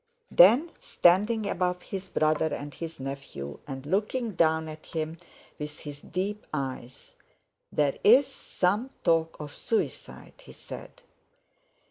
Then standing above his brother and his nephew, and looking down at him with his deep eyes: "There's—some—talk—of—suicide," he said.